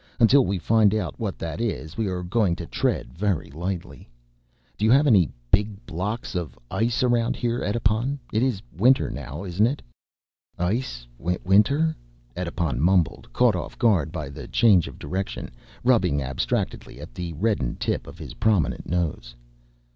Until we find out what that is we are going to tread very lightly. Do you have any big blocks of ice around here, Edipon? It is winter now, isn't it?" "Ice? Winter?" Edipon mumbled, caught off guard by the change of direction, rubbing abstractedly at the reddened tip of his prominent nose.